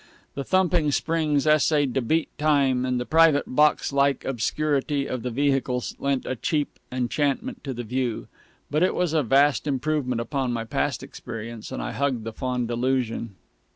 The thumping springs essayed to beat time, and the private box like obscurity of the vehicle lent a cheap enchantment to the view. But it was a vast improvement upon my past experience, and I hugged the fond delusion.